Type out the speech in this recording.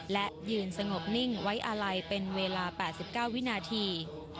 และยืนสงบนิ่งไว้อาลัยเป็นเวลา๘๙วินาที